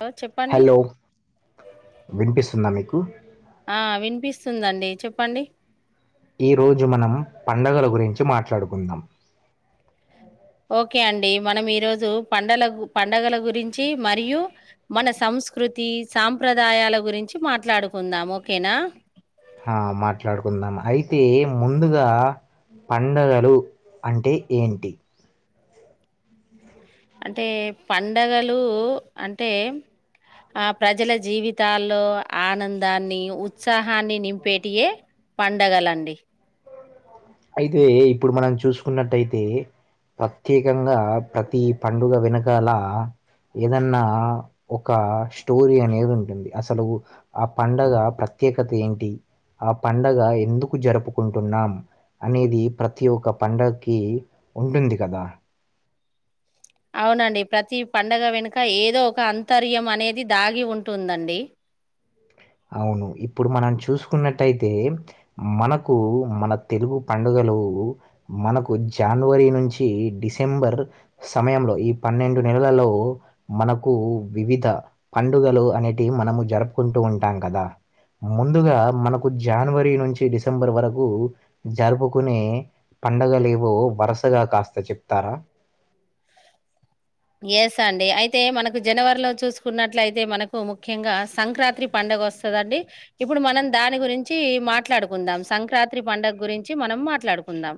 hello చెప్పండి hello వినిపిస్తుందా మీకు ఆ వి పిస్తుందండి చెప్పండి ఈ రోజు మనం పండగల గురించి మాట్లాడుకుందాం ఓకే అండి మనం ఈరోజు పండల పండగల గురించి మరియు మన సంస్ స్కృతి సాంప్రదాయాల గురించి మాట్లాడుకుందాం ఓకేనా హ మాట్లాడుకుందాం అయితే ముందుగా పండుగలు అంటే ఏంటి అంటే పండగలు అంటే ఆ ప్రజల జీవితాల్లో ఆనందాన్ని ఉత్సాహాన్ని నింపేటియే పండగలండి అయితే ఇప్పుడు మనం చూసుకున్నట్టయితే ప్రత్యేకంగా ప్రతి పండుగ వెనకాల ఏదన్నా ఒక స్టోరీ అనేది ఉంటుంది అసలు ఆ పండగ ప్ర ప్రత్యేకత ఏంటి ఆ పండగ ఎందుకు జరుపుకుంటున్నాం అనేది ప్రతి ఒక్క పండగకి ఉంటుంది కదా అవునండి ప్రతి పండగ వెనుక ఏదో ఒక అంతర్యం అనేది దాగి ఉంటుందండి అవును ఇప్పుడు మనం చూసుకున్నట్టయితే మనకు మన తెలుగు పండుగ మనకు జనవరి నుంచి డిసెంబర్ సమయంలో ఈ పన్నెండు నెలలలో మనకు వివిధ పండుగలు అనేటివి మనము జరుపుకుంటూ ఉంటా టం కద ముందుగా మనకు జానవరి నుంచి డిసెంబర్ వరకు జరుపుకునే పండగలేవో వరుసగా కాస్త చెప్తారా ఎస అండి అయితే మనకు జనవరిలో చూసుకున్నట్లయితే మనకు ముఖ్యంగా సంక్రాత్రి పండుగ వస్ దండి ఇప్పుడు మనం దాని గురించి మాట్లాడుకుందాం సంక్రాత్రి పండుగ గురించి మనం మాట్లాడు కుందాం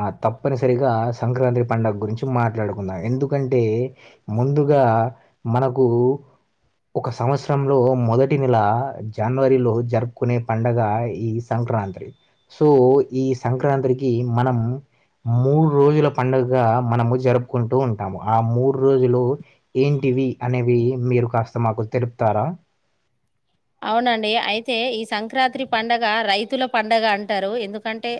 ఆ తప్పనిసరిగా సంక్రాంత్రి పండుగ గురించి మాట్లాడుకుందాం ఎందుకంటే ముందు గా మనకు ఒక సంవత్సరంలో మొదటి నెల జనవరిలో జరుపుకునే పండగ ఈ సం సంక్రాంత్రి సో ఈ సంక్రాంత్రి కి మనం మూడు రోజుల పండుగగ మనము జరుపుకుంటూ ఉంటాము ఆ మూడు రోజులు ఏంటి ఇవి అనేవి మీరు కాస్త మాకు తెలుపుతారా అవునండి అయితే ఈ సంక్రాత్రి పంండగ రైతుల పండగ అంటారు ఎందుకంటే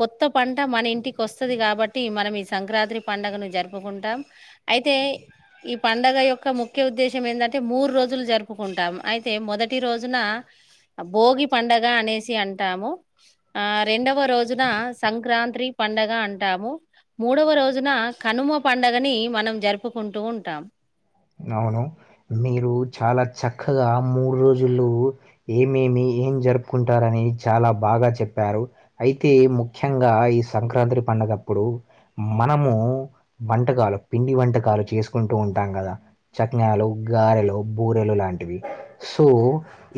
కొత్త పంట మన ఇంటికి వస్తుది కాబట్టి మనం ఈ సంక్రాత్రి పండుగను జరుపుకుంటాం అయితే అతే ఈ పంండగ యొక్క ముఖ్య ఉద్దేశం ఏందంటే మూడు రోజులు జరుపుకుంటాం అయితే మొదటి రోజున భోగి పండగ అనేసి అంటాము ఆ రెండవ రోజున సంక్రాంత్రి పండగ అంటాము మూడవ రోజున కనుమ పండగని మనం జరుపుకుంటూ ఉంటాం అవును మీరు చాలా చక్కగా మూడు రోజులు ఏమేమి ఏం జరుపుకుంటారని చాలా బాగా చెప్పారు అయితే ముఖ్యంగా ఈ సంక్రాంత్రి పండు గప్పుడు మనము వంటకాలు పిండి వంటకాలు చేసుకుంటూ ఉంటాం కదా చకినాలు గారెలు బూరెలు లాంటివి సో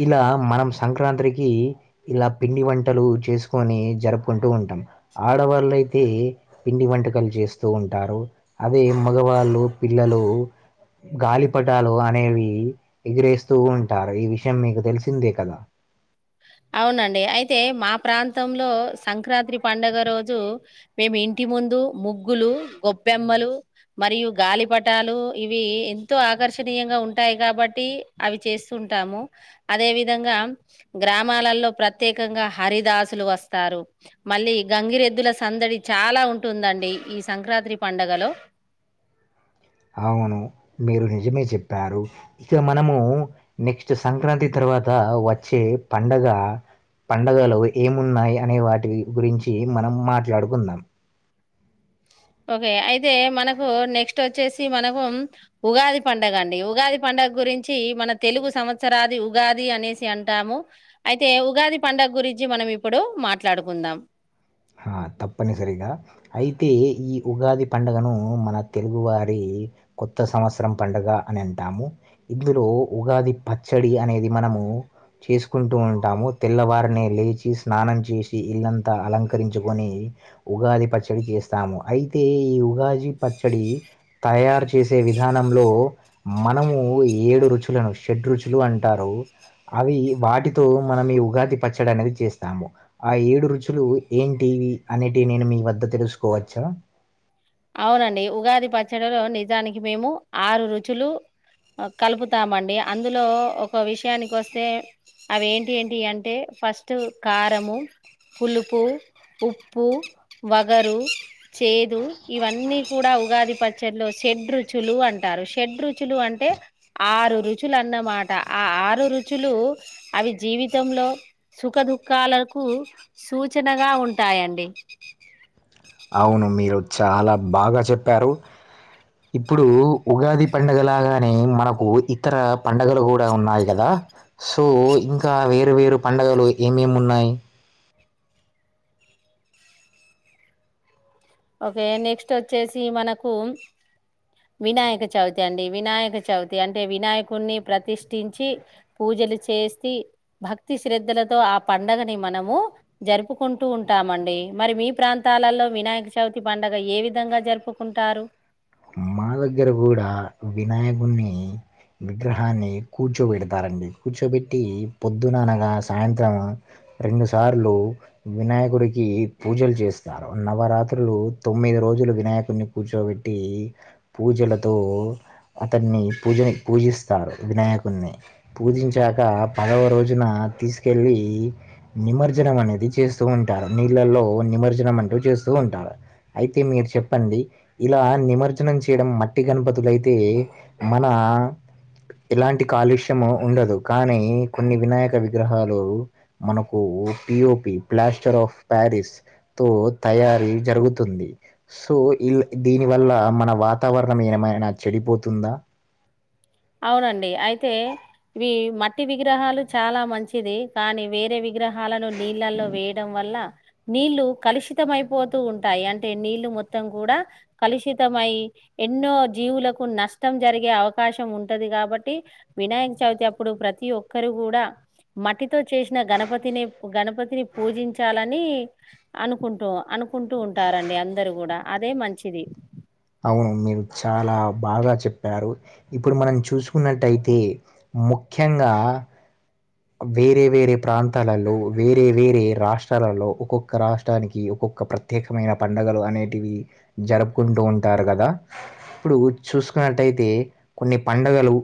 ఇలా మనం సంక్రాన్ అందరికి ఇలా పిండి వంటలు చేసుకొని జరుపుకుంటూ ఉంటాం ఆడవాళ్ళయితే పిండి వంటకాలు చేస్తూ ఉంటారు అదే మగవాళ్ళు పిల్లలు గాలిపటాలు అనేవి ఎగ్రేస్తూ ఉంటారు ఈ విషయం మీకు తెలిసిందే కదా అవునండి అయితే మా ప్రాంతంలో సంక్రాత్రి పండుగ రోజు మేము ఇ న్టి ముందు ముగ్గులు గొబ్బెమ్మలు మరియు గాలిపటాలు ఇవి ఎంతో ఆకర్షణీయంగా ఉంటాయి కాబట్టి అవి చేస్తు ఉంటాము అదే విధంగా గ్రామాలలో ప్రత్యేకంగా హరిదాసులు వస్తారు మళ్ళీ గంగిరెద్దుల సందడి చ చాలా ఉంటుందండి ఈ సంక్రాత్రి పండుగలో అవును మీరు నిజమే చెప్పారు ఇక మనము నెక్స్ట్ సంక్రాంతి తర్వాత వచ్చే పండగ గా పండుగలు ఏమున్నాయి అనే వాటి గురించి మనం మాట్లాడుకుందాం ఓకే అయితే మనకు నెక్స్ట్ వచ్చేసి మనకు ఉగాది పండగ అండి ఉగాది పండుగ గురించి మన తెలుగు సంవత్సరాది ఉగాది అనేసి అంటాము అయితే ఉగాది పండగ గు గురించి మనం ఇప్పుడు మాట్లాడుకుందాం ఆ తప్పని సరిగా అయి అయితే ఈ ఉగాది పండుగను మన తెలుగువారి కొత్త సంవత్సరం పండుగ అని అంటాం ము ఇందులో ఉగాది పచ్చడి అనేది మనము చేసుకుంటూ ఉంటాము తెల్లవారినే లేచి స్నానం చేసి ఇల్లంతా అలం రించుకొని ఉగాది పచ్చడి చేస్తాము అయితే ఈ ఉగాది పచ్చడి తయారు చేసే విధానంలో మనము ఏడు రుచులను షెడ్ రుచులు అంటారు అవి వాటితో మనం ఈ ఉగాది పచ్చడి అనేది చేస్తాము ఆ ఏడు రుచులు ఏంటివి అనేటివి నేను మీ వద్ద తెలుసుకోవచ్చా అవునండి ఉగాది పచ్చడిలో నిజానికి మేము ఆరు రుచులు కలుపుతామండి అందులో ఒక విషయానికి వస్తే అవి ఎంటి ఏంటి వి అంటే ఫస్ట్ కారము పులుపు ఉప్పు వగరు చేదు ఇవన్నీ కూడా ఉగాది పచ్చడ్లో షడ్ రుచులు అంటారు షడ్ రుచులు అంటే ఆరు రుచులున్నమాట ఆరు రుచులు అవి జీవితంలో సుఖ దుఃఖాలకు సూచ గా ఉంటాయండి అవును మీరు చాలా బాగా చెప్పారు ఇప్పుడు ఉగాది పండగలాగానే మనకు ఇతర పండగలు కూడ ఉన్నాయి కదా సో ఇంకా వేరు వేరు పండగలు ఏమేమి ఉన్నాయి ఓకే నెక్స్ట్ వచ్చేసి మనకు వినాయక చవితి అండి వినాయక చవితి అంటే వినాయకుణ్ణి ప్రతిష్ఠించి పూ పూజలు చేసి భక్తి శ్రద్ధలతో ఆ పండగని మనము జరుపుకుంటూ ఉంటామ [unintelligible] మరి మీ ప్రాంతాలలో వినాయక చవితి పండగ ఏ విధంగా జరుపుకుంటారు మా దగ్గర కూడ వినాయకున్నీ విగ్రహాన్ని కూర్చోబెడతారండి కూర్చోబెట్టి పొద్దున అనగా సాయంత్రం రెండు సార్లు వినాయకుడికి పూజలు చేస్తారు నవరాత్రులు తొమ్మి రోజులు వినాయకుడిని కూర్చోబెట్టి పూజలతో అతన్ని పూజని పూజిస్తారు వినాయకుని పూజించాక పదవ రోజున తీసుకెళ్ళి నిమర్జ్జనం అనేది చేస్తూ ఉంటారు నీళ్ళలో నిమర్జ్జనం అంటు చే స్తు ఉంటారు అయితే మీరు చెప్పండి ఇలా నిమర్ జ్జనం చేయడం మట్టి గణపతులుయితే మన ఇలాంటి కాలుష్యము ఉండదు కానీ కొన్ని వినాయక విగ్రహాలు మనకు ఒపిఓపి బ్లాస్టర్ ఆఫ్ ప్యారిస్ తో తయారీ జరుగుతుంది సొ దీని వల్ల మన వాతావరణం ఏమైనా చెడిపోతుంద అవునండి అయితే ఇవి మట్టి విగ్రహాలు చాలా మంచిది కానీ వేరే విగ్రహాలను నీళ్ళల్లో వేయడం వ నీళ్లు కలుషితం అయిపోతూ ఉంటాయి అంటే నీళ్లు మొత్తం కూడ కలుషితము అయ్యి ఎన్నో జీవులకు నష్టం జరిగే అవకాశం ఉం ఉంటది కాబట్టి వినాయక చవితి అప్పుడు ప్రతి ఒక్కరు కూడ మట్టితో చేసిన గణపతి గణపతిని పూజించాలని అనుకుంటూ అనుకుంటూ ఉంటారండి అందరు కూడ అదే మంచిది అవును మీరు చాలా బాగా చెప్పారు ఇప్పుడు మనం చూసుకున్నట్టయితే ముఖ్యంగా వేరే వేరే ప్రాంతాలలో వేరే వేరే రాష్ట్రాలలో ఒక్కొక్క రాష్ట్రానికి ఒక్కొ క ప్రత్యేకమైన పండుగలు అనేటివి జరుపుకుంటూ ఉంటారు కదా ఇప్పుడు చూస్ చూసుకున్నట్టయితే కొన్ని పండుగలు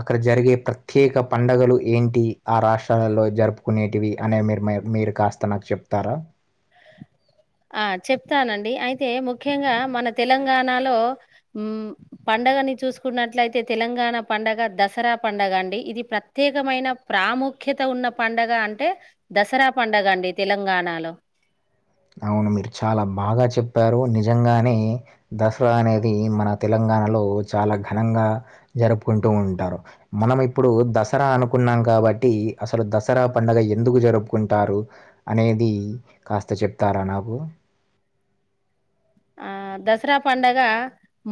అక్కడ జరిగే ప్రత్యేక పండగలు ఏంటి ఆ రాష్ట్రాలలో జరుపుకునేటివి అనే మీరు మీరు కాస్త నాకు చెప్తార ఆ చెప్తానండి అయితే ముఖ్యంగా మన తెలంగాణలో ఉమ్మ్ పం డగని చూసుకున్నట్లయితే తెలంగాణ పండగ దసరా పండగ అండి ఇది ప్రత్యేకమైన ప్రాము ఖ్యత ఉన్న పండగ అంటే దసరా పండగ అండి తెలంగాణలో అవును మీరు చాలా బాగా చెప్పారు నిజంగానే దసరా అనేది మన తెలంగా ణలో చాలా ఘనంగా జరుపుకుంటూ ఉంటారు మనం ఇప్పుడు దసరా అనుకున్నాం కాబట్టి అసలు దసరా పండగ ఎందుకు జరుపుకుంటారు అనేది కాస్త చె ప్తారా నాకు ఆ దసరా పండగ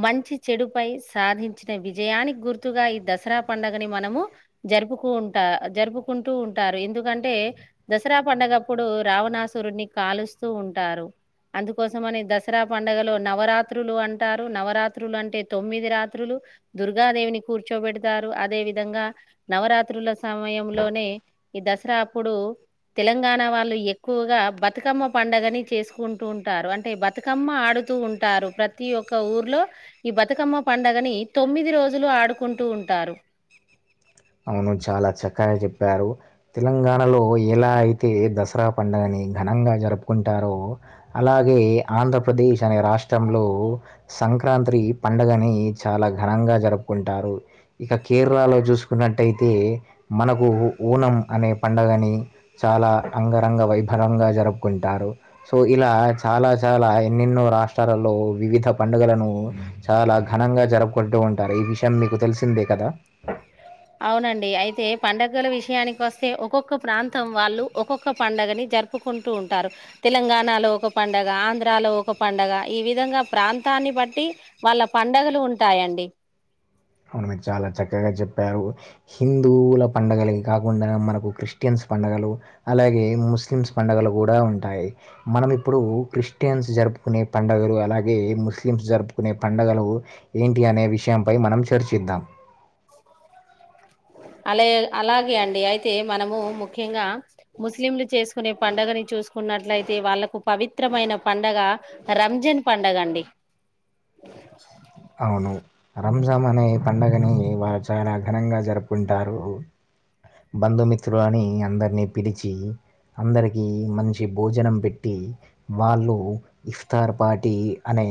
మంచి చెడుపై సాధించిన విజయానికి గుర్తుగా ఇ దసరా పండగని మనము జరుపుకుంటా జరుపుకుంటూ ఉంటారు ఎందుకంటే దస ర పండగప్పుడు రావణాసురుని కాలుస్తూ ఉంటారు అందుకోసంమని దస ర పండుగలో నవరాత్రులు అంటారు నవరాత్రులు అంటే తొమ్మిది రాత్రులు దుర్గాదేవిని కూర్చోబెడతారు అదే విధంగా నవరాత్రుల సమయంలోనే ఈ దసరా అప్పుడు తెలంగాణ వాళ్ళు ఎక్కువగా బతుకమ్మ పండగని చేసుకుంటూ ఉంటారు అంటే బ తుకమ్మ ఆడుతూ ఉంటారు ప్రతి ఒక్క ఊర్లో ఈ బతుకమ్మ పండుగని తొమ్మిది రోజులు ఆడుకుంటూ ఉంటారు అవును చాలా చక్కగా చెప్పారు తెలంగాణలో ఎలా అయితే దసరా పండగని ఘనంగా జరుపుకుంటారో అలాగే ఆంధ్రప్రదేశ్ అనే రాష్ట్రంలో సంక్రాంత్రి పండగని చాలా ఘనంగా జరుపుకుంటారు ఇక కేరళలో చూసు కున్నట్టయితే మనకు ఓనం అనే పండగని చాలా అంగరంగ వైభ వంగా జరుపుకుంటారు సో ఇలా చాలా చాలా ఎన్నెన్నో రాష్ట్రాలలో వివిధ పం డగలను చాలా ఘనంగా జరుపుకుంటూ ఉంటారు ఈ విషయం మీకు తెలిసిందే కదా అవునండి అయితే పండగల విషయానికి వస్తే ఒక్కొక్క ప్రాంతం వాళ్ళు ఒక్కొక్క పండగని జరుపుకుంటూ ఉంటారు తెలంగాణలో ఒక పండగ ఆంధ్రాలో ఒక పండగ ఈ విధంగా ప్రాంత ని బట్టి వాళ్ళ పండగలు ఉంటాయండి అవును మీరు చాలా చక్కగా చెప్పారు హిందువుల పండగలయి కాకుండా మనకు క్రిస్టియన్స్ పండగలు అలాగే ముస్లిమ్స్ పండగలు కూడా ఉంటాయి మనం ఇప్పుడు క్రిస్టియన్స్ జరుపుకునే పండగలు అలాగే ముస్లిమ్స్ జరుపుకునే పండగలు ఏంటి అనే విషయంపై మనం చర్చిద్దాం అలా అలాగే అండి అయితే మనము ముఖ్యంగా ముస్లింలు చేసుకునే పండగని చూ చూసుకున్నట్లయితే వాళ్ళలకు పవిత్రమైన పండగ రంజాన్ పండగ అండి అవును రంజామ్ అనే పండగని వారు చాలా ఘనంగా జరుపుకుంటారు బంధుమిత్రులని అందరినీ పిలిచి అందరికి మంచి భోజనం పెట్టి వాళ్ళు ఇఫ్తార్ పార్టీ అనే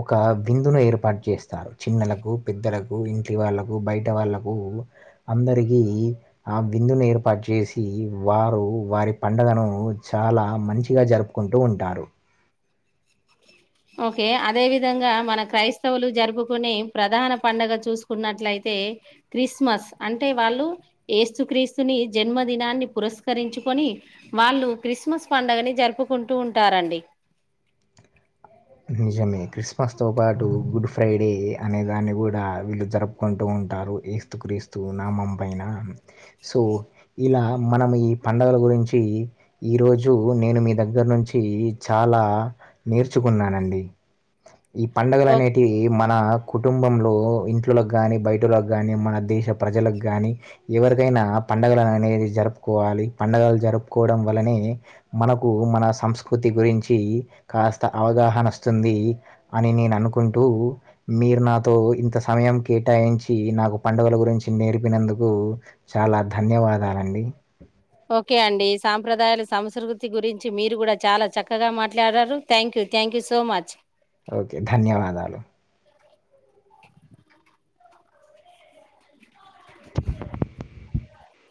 ఒక విందును ఏ ర్పాటు చేస్తారు చిన్నలకు పెద్దలకు ఇంట్లో వాళ్ళలకు బయట వాళ్ళకు అందరికి ఆ విందును ఏర్పాటు చేసి వారు వారి పండగను చాలా మంచిగా జరుపుకుంటూ ఉంటారు అ ఓకే అదే విధంగా మన క్రైస్తవులు జరుపుకునే ప్రధాన పండగ చూసుకున్నట్లయితే క్రిస్మస్ అంటే వాళ్ళు ఏస్తు క్రీస్తుని జన్మదినాన్ని పురస్కరించుకొని వాళ్ళు క్రిస్మస్ పండగని జరుపుకుంటూ ఉంటారండి నిజమే క్రిస్మస్ తో పాటు గుడ్ ఫ్రైడే అనే దాన్ని కూడా వీళ్ళు జరుపుకుంటూ ఉంటారు ఏస్తు క్రీస్తు నామం పైన సో ఇలా మనం పండగల గురించి ఈరోజు నేను మీ దగ్గర నుంచి చాలా నేర్చు కున్నానండి ఈ పండగలు ఓ అనేటివి మన కుటుంబంలో ఇంట్లోకి కానీ బయటకి కానీ మన దేశ ప్రజలకు కానీ ఎవరికైనా పండగలు అనేది జరుపుకోవాలి పండగలు జరుపుకోవడం వల్లనే మనకు మన సంస్కృతి గురించి కాస్ అవగాహన వస్తుంది అని నేను అనుకుంటూ మీరు నాతో ఇంత సమయం కే కేటాయించి నాకు పండగలు గురించి నేర్పినందుకు చాలా ధన్యవాదాలండి ఓకే అండి సాంప్రదాయాల సంస్కృతి గురించి మీరు కూడా చాలా చక్కగా మాట్లాడారు thank you thank you so much okay ధన్యవాదాలు